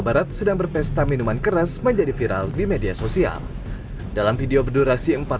barat sedang berpesta minuman keras menjadi viral di media sosial dalam video berdurasi